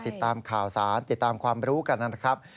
ติดตามข่าวสารติดตามความรู้กันนะครับ